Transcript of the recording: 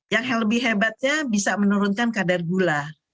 yang lebih hebatnya bisa menurunkan kadar gula